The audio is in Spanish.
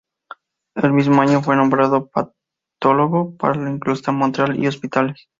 El mismo año, fue nombrado patólogo para la Inclusa Montreal y Hospitales.